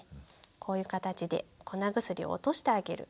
こういう形で粉薬を落としてあげる。